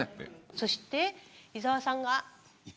そして伊澤さんが。